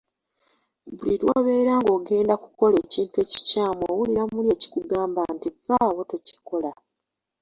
Buli lw'obeera ng'ogenda kukola ekintu ekikyamu owulira muli ekikugamba nti, "Vvaawo tokikola".